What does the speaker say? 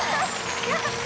やった。